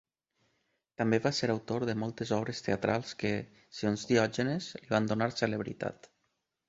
També va ser autor de moltes obres teatrals que, segons Diògenes, li van donar celebritat.